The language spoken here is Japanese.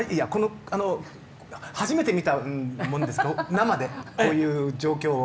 初めて見たもんですから生でこういう状況を。